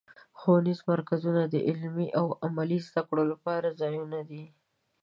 ښوونیز مرکزونه د علمي او عملي زدهکړو لپاره ځایونه دي.